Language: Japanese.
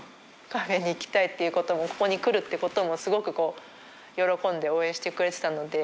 カフェに行きたいってこともここに来るってこともすごく喜んで応援してくれてたので。